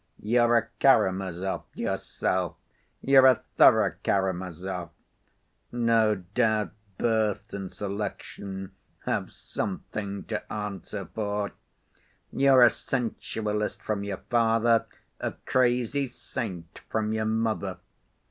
You're a Karamazov yourself; you're a thorough Karamazov—no doubt birth and selection have something to answer for. You're a sensualist from your father, a crazy saint from your mother.